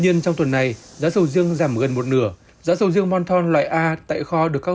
nhiên trong tuần này giá sầu riêng giảm gần một nửa giá sầu riêng monthon loại a tại kho được các